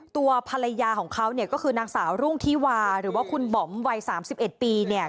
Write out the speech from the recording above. ตัวภรรยาของเขาเนี่ยก็คือนางสาวรุ่งธิวาหรือว่าคุณบอมวัย๓๑ปีเนี่ย